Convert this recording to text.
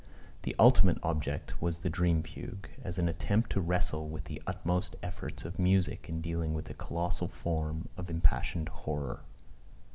The ultimate object was the Dream Fugue, as an attempt to wrestle with the utmost efforts of music in dealing with a colossal form of impassioned horror.